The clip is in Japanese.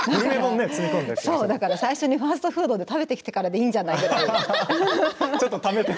最初にファストフードで食べてきてからでいいんじゃないって。